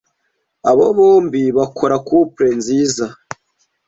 Abo bombi bakora couple nziza.